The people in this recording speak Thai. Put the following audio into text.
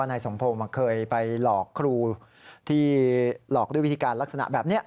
นายสมพงศ์เคยไปหลอกครูที่หลอกด้วยวิธีการลักษณะแบบนี้